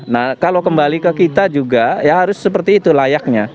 nah kalau kembali ke kita juga ya harus seperti itu layaknya